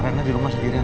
rena di rumah sendirian